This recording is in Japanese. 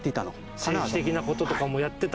政治的な事とかもやってたと。